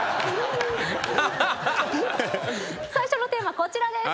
最初のテーマこちらです。